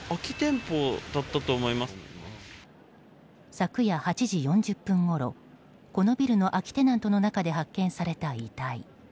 昨夜８時４０分ごろこのビルの空きテナントの中で発見された遺体。